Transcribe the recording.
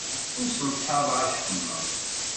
Ur ssenṭaḍeɣ acemma.